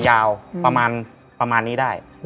ยาวประมาณนี้ได้